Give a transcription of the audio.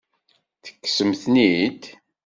Tekksem-ten-id?